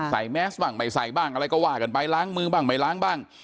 แมสบ้างไม่ใส่บ้างอะไรก็ว่ากันไปล้างมือบ้างไม่ล้างบ้าง